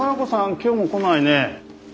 今日も来ないね。